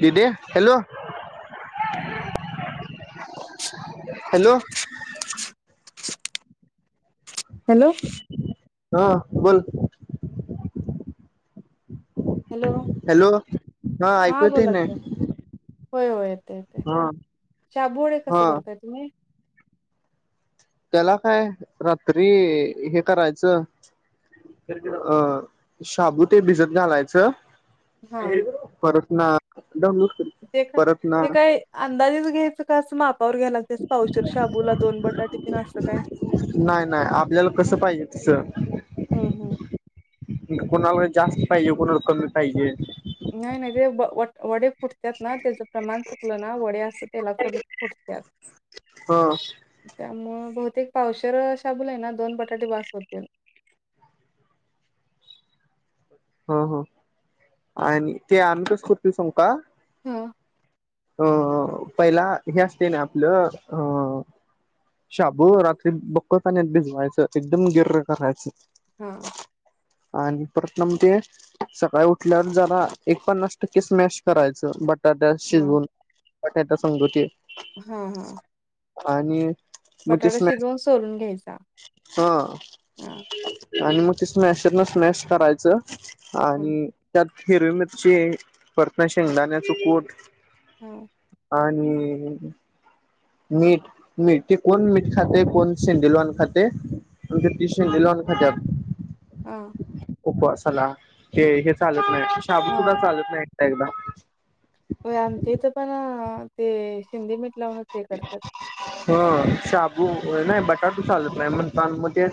दिदे hello hello. Hello. हा बोल. Hello hello ऐकू हा येतय बोला ना की. होय होय येते येते हा शाबोळे कस हा करताय तुम्ही? त्याला काय रात्री हे करायचं अ शाबू ते भिजत घालायचं. हा परत ना [unintelligible] ते का परत ना ते काय अंदाजेच घ्यायचं का असं मापावर घ्यायला पावशेर शाबूला दोन बटाटे तीन असं काय नाय नाय आपल्याला कसं पाहिजे तस. हम हम. कोणाला जास्त पाहिजे कोणाला कमी पाहिजे. नाही नाही ते व व वडे फुट त्यांत ना त्याचं प्रमाण चुकलं ना वडे असं तेलात सोडलं की फुटत्यात. ह त्यामुळं बहुतेक पावशेर अ शाबूला आहे ना दोन बटाटे बास होतील. ह ह आणि ते आम्ही कस करतो सांगु का? हा. अ पहिला हे असते ना आपलं ह शाबू रात्री बक्क पाण्यात भिजवायचं एकदम गिर्र करायचं हा. आणि परत ना म ते सकाळी उठल्यावर जरा एक पन्नास टक्के स्मॅश करायचं बटाट्यात हा शिजवून. बटाट्या संग ते हा हा आणि मग ते बटाटा स्मॅश शिजवून सोलून घ्यायचा. हा हा आणि मग ते स्मॅशरने स्मॅश करायचं. हा आणि त्यात हिरवी मिरची परत आणि शेंगदाण्याच कूट हा. आणि अ मीठ, मीठ ते कोण मीठ खातय? कोण सेंडीलवान खातय? आमच्या तर सेंडील वान खात्यात. हा. उपवासाला, ते हे चालत नाही, शाबू हा सुद्धा चालत नाही एकदा एकदा. होय, आमच्या इथं पण ते शेंदी मीठ लावूनच हे करत्यात. ह शाबू नाही, बटाटू चालत न्हाय म्हणतान म ते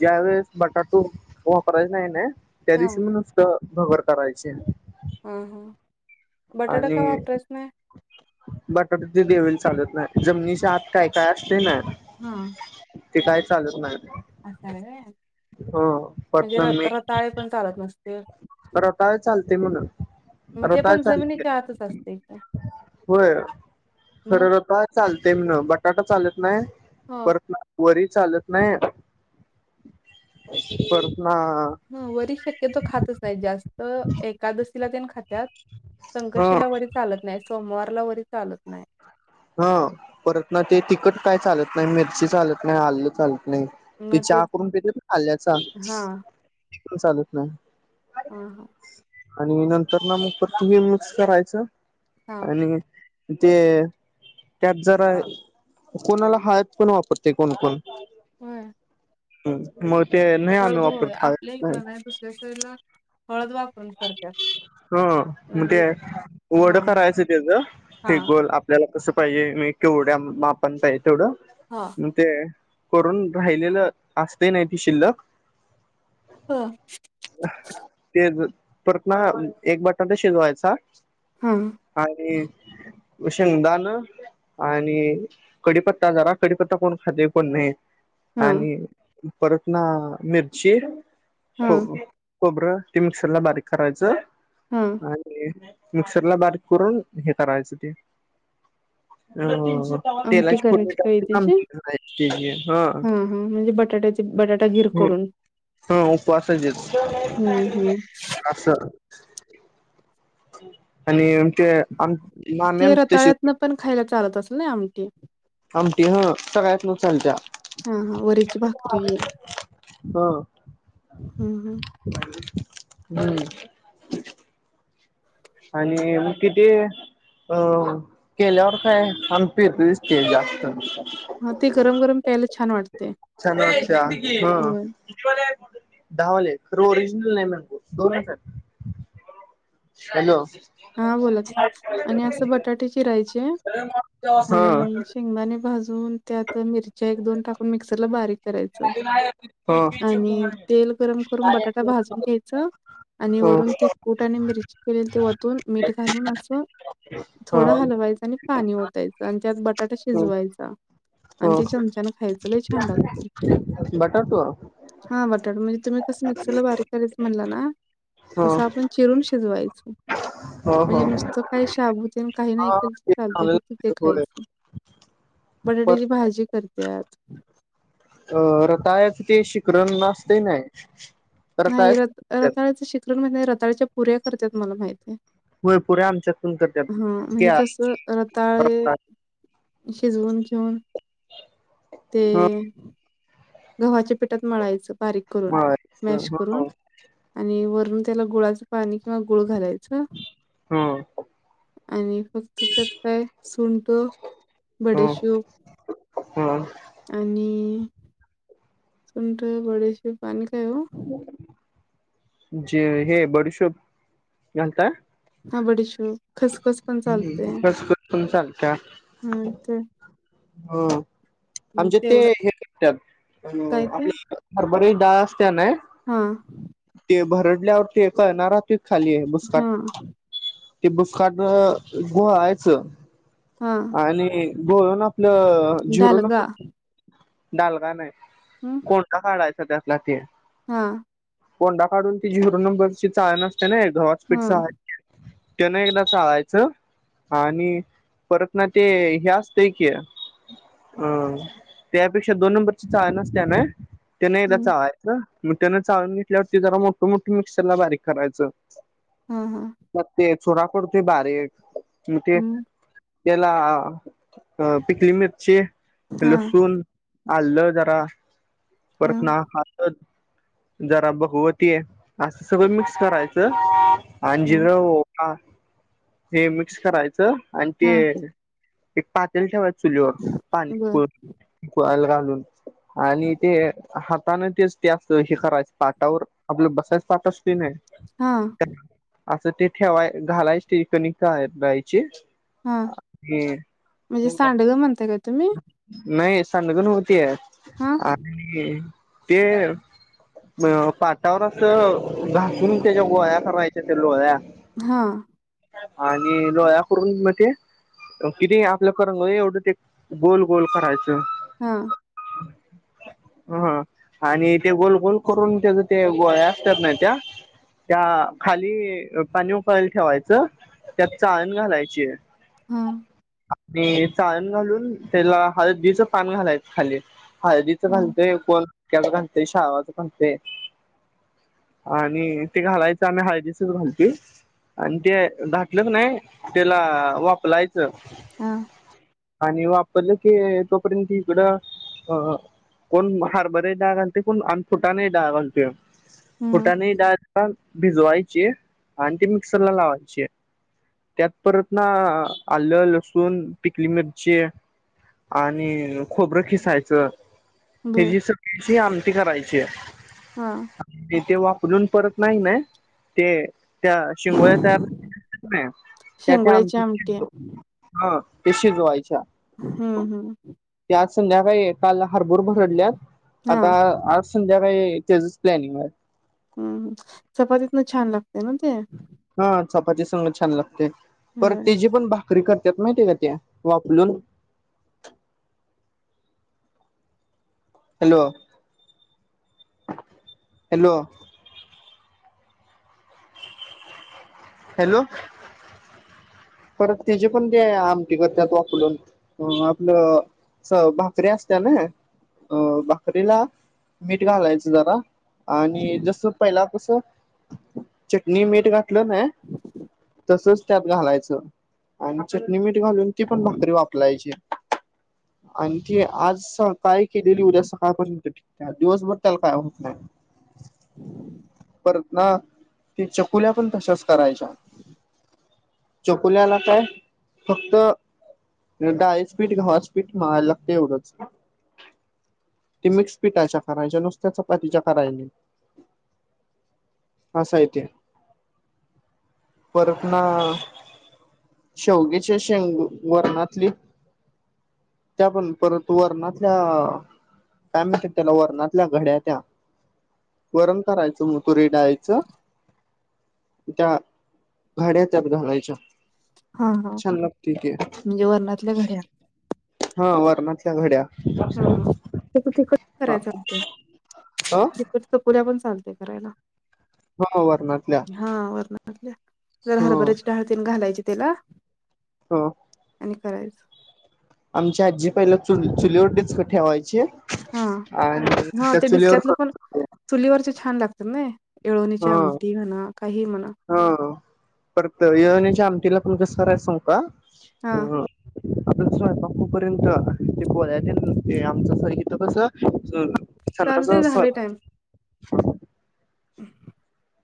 ज्या वेळेस बटाटू वापरायचा नाही ना, त्या हो, दिवशी म नुसतं भगर करायचे. हा हा. आणि बटाटू ते देविला चालत नाही. हां, जमनीच्या आत काय काय असतय ना? ते काय चालत नाही. आस हाय व्हय ह म्हणजे र पटन मी रताळे पण चालत नसतील. रताळ चालतय म्हण. म ते रताळ पण, चालते जमिनीच्या आतच असतय की होय, खर मग? रताळ चालतय म्हण, बटाटा चालत नाही, हं, परत वरी चालत नाही. परत ना ह वरी शक्यतो खातच नाही जास्त, एकादशीला तेन खात्यात. हा संकष्टीला वरी चालत नाही, सोमवारला वरी चालत नाही. हा परत ना ते तिकट काय चालत नाही, मिरची चालत नाही, आलं चालत नाही. ते चहा करून पीतेत ना आल्ल्याचा, हां, ते चालत नाही. हा हा. आणि नंतर ना, मग परत मिक्स करायचं हां. आणि ते अ त्यात जरा, कोणाला हळदपण वापरतय कोण कोण? व्हय. ह मग ते नाही आम्ही होय वापरत हळद आपल्या नाही. इकडं दुसऱ्या शाळेला हळद वापरून कर ह मग ते वड हां, करायचं त्याचं, ते हां, गोल आप ल्याला कसं पाहिजे? मी केवढ्या मापान पाहिजे तेवढं. हा. मग ते करून राहिलेलं, असतय नाही ते शिल्लक हा. तेज परत ना, एक बटाटा शिजवायचा. हां हां. आणि उ शेंगदान आणि कडीपत्ता जरा, कडीपत्ता कोण खातय कोण नाही. हा आणि परत ना मिरची हा खो बरं ते मिक्सर ला बारीक करायचं. हा. आणि मिक्सर ला बारीक करून हे करायचं ते अ आमटी तेलाची फोडनी करायची काय टाकून त्याची आमटी करायची हं. ते बटाटा घीर करून हा उपवासचेस हम्म, हम्म असं आणि ते आम मामी ते आम तशीच रताळ्यातन पण खायला चालत असल नाई आमटी आमटी ह सगळ्यात न चालत्या हा, हा वरीची भाकरी ह हम्, हम् [unintelligible] आणि म ते जे अ केल्यावर काय आमी पेतोयच ते जास्त हा ते गरम, गरम प्यायला छान वाटते होय कितीवाले आहेत धावाले खरं ओरिजनल नाही ना दोनच आहेत हॅलो हा बोला की आणि असं बटाटे चिरायचे आणि शेंगदाणे भाजून त्यात मिरच्या एक, दोन टाकून मिक्सरला बारीक करायच आणि तेल गरम करून बटाटा भाजून घ्यायचं आणि वरून ते कुट आणि मिरची केलेली ते वतून मीठ घालून असं थोडं हलवायचं आणि पाणी ओतायच आणि त्यात बटाटा शिजवायचा आणि ती चमचान खायच लई छान लागते बटाटो हा बटाटा म्हणजे तुम्ही कसं मिक्सरला बारीक करायच म्हणला ना ह तसं आपण चिरून शिजवायच हो हो म्हणजे नुसतं काही शबुतेन काही नाही हा केल तर ते चालते चांगलं फक्त ते खायच होय पर बटाट्याची भाजी करत्यात तर कायच ते शिखरण आसत नाही तर काय रताळ्याचे शिखरण म्हणजे रताळच्या पुऱ्या करतात मला माहिती आहे होयपुऱ्या आमच्यातून हा करतात म्हणजे केळा कस रताळे शीजवून घीऊन ते ह गव्हाच्या पिठात मळायचं बारीक करून मळायचं मॅश करून ह आणि वरून त्याला गुळाचं पाणी किंवा गुळ घालायचं ह आणि फक्त त्यात काय सुंट बडेशूप हम् आणि सुंट बडीशेप आणि काय हो जे हे बडीशोब घालताय हा बडीशूप खसखस पण चालते पण चालत्या हम् ते ह आमच्यात ते तेवढं करत्यात काय ते आपल हरभऱ्याची डाळ असत्या ना हा ते भरडल्यावर ते कळना खाली आहे बुसकाट हा ते भुसकाट घोळायचं ह आणि घोळून आपलं झिरो डालगा नंबरच डालडा नाही हम्म कोंडा काढायचा त्यातला ते हा. कोंडा काढून ती झिरो नंबरची चाळण असते ना, गव्हाचं पीठ हा चाळायची त्यान एकदा चाळायचं आणि परत ना ते हे असतं की? अ, त्यापेक्षा दोन नंबरची चाळन आसते ना त्यान एकदा हं चायच. मग त्यानं चाळून घेतल्यावर ते जरा मोठ, मोठ, मिक्सर ला बारीक करायचं. हा, हा, मग ते चुरा पडतोय बारीक, म ते हं त्याला, पिकली मिरची, हा लसूण आल्लं जरा हा परतना [inaudible] जरा भगवतीय असं सगळं मिक्स करायचं आणि हा जिरं हा, ते मिक्स करायचं आणि ते हा एक पातल ठेवायच चुलीवर पाणी बर उकळायला घालून आणि ते हाताने तेच ते अस हे करायच पाटावर, आपलं बसायच पाट असतोय ना? हा. असं ते ठेवाय घालायच ते कनी [unintelligible] हा, म्हणजे सांडगं म्हणताय का तुम्ही? नाही साडंग नव्ह ते हा ते पाटावर अस घासून त्यांच्या लोळ्या करायच्या त्या लोळ्या, हा आणि लोळ्या करून ते, ते किने आपल्या करंगळी एवढं ते गोल गोल करायचं. हा. [inaudible] हा आणि ते गोल गोल करून तेझ ते गोळ्या असतात नाही त्या? त्या खाली पाणी उकळायला ठेवायचं त्यात चाळण घालायची हा. आणि चाळण घालून त्याला हळदीचं पान घालायच खाली. हळदीच हा घालते कोण मक्याचं घालतं कोण शाळावाच घालतं. आणि ते घालायचं आम्ही हळदीचचं घालतोय. आणि ते घातलं की नाही त्याला वापलायचं. हा. आणि वापरलं की तोपर्यंत इकडं अ कोण हरभरा डाळ घालतय कोण आम्ही फुटाणे डाळ घालतोय. हं फुटाणे डाळ भिजवाय आलं, लसूण, पिकली मिरची आणि खोबरं खिसायचं ह बर जी [unintelligible] आमटी करायची आहे हा. तेथे वापरून परत नाही ना? ते त्या शिंगोया तयार [unintelligible] शेंगोळ्याची आमटी आहे. हो, हे शिजवायाच्या. हम्म, हम्म ते आज संध्याकाळी काल हरभूर भरडल्यात हा आता आज संध्याकाळी त्याचच प्लॅनिंग हाय. ह चपातीतन छान लागतय ना ते. हा चपाती संग छान लागतय, पर होय. ते जी पण भाकरी करत्यात माहितीय का ते वाफलून हॅलो, हॅलो. हॅलो. परत तेची पण ते आमटी करत्यात वाफलून आपलं स भाकरी असत्या ना, अ भाकरीला मीठ घालायचं जरा आणि जस पहिला कस? चटणी, मीठ घातलं ना तसच त्यात घालायचं आणि चटणी, मीठ घालून ती पण भाकरी वाफलायची. आणि ती आज सकाळी केलेली, उद्या सकाळपर्यंत ठेव त्या, दिवसभर त्याला काय होत नाही. परत ना, ते चकुल्या पण तशाच करायच्या. चकुल्याला काय फक्त डाळीच पीट, गव्हाच पीट मळाय लागतय एवढंच. ते मिक्स पिठाच्या करायच्या, नुसत्या चपातीच्या करायच्या नाही. आस हाय ते. परत ना, शेवग्याच्या शेंग वरणातली त्या पण, परत वरनातल्या काय म्हणत्यात त्याला वरणातल्या घड्या त्या? वरण करायचं म तूरीच्या डाळीचं त्या घड्या त्यात घालायच्या. हा हा छान लागतय ते, म्हणजे वरणातल्या घड्या हा. वरणातल्या घड्या. हा हा ते तिकट हा कराय चालतय, ह तिक चकूल्या पण चालतय करायला. हो ना वरनातल्या. हा वरनातल्या, जरा हरभऱ्याची डाळतीन घालायची त्याला हो. आणि करायचं. आमची आजी पहिला, चुली चुलीवर डीचक ठेवायची हा आणि हा त्या ते चुलीवर डिस्क्यातलं करून पण चुलीवरचे छान लागतात नाही. येळवणीची हा आमटी म्हणा, काही म्हणा. हा परत येळवन्याच्या आमटीला पण, कस करायच सांगू का? हा आपल स्वयपाक होवू पर्यंत, ते पोळ्या तेन ते आमचं इथ चालते झालंय कस? [unintelligible] हम [inaudible]